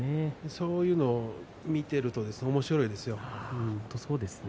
そういうのを見ているとおもしろいですよ。